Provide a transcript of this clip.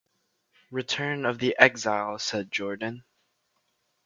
"Return of the exile," said Jordan.